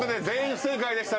全員不正解。